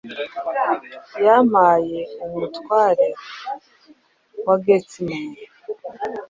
Wampaye Umutware wa Geatmen